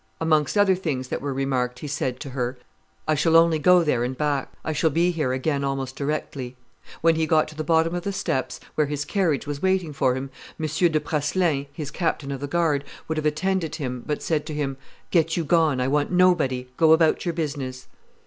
Amongst other things that were remarked he said to her, 'I shall only go there and back; I shall be here again almost directly.' When he got to the bottom of the steps, where his carriage was waiting for him, M. de Praslin, his captain of the guard, would have attended him, but said to him, 'Get you gone; I want nobody; go about your business.